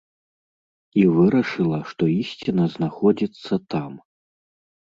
І вырашыла, што ісціна знаходзіцца там.